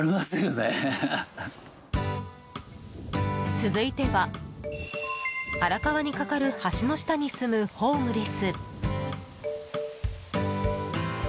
続いては、荒川に架かる橋の下に住むホームレス。